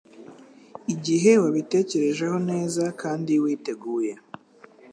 igihe wabitekerejeho neza kandi witeguye.